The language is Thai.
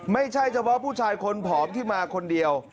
ไม่ใช่เฉพาะผู้ชายคนผอมที่มาคนเดียว